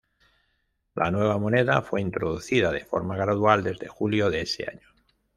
La nueva moneda fue introducida de forma gradual desde julio de ese año.